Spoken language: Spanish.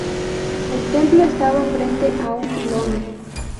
El templo estaba frente a un pilono.